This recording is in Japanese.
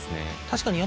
確かに。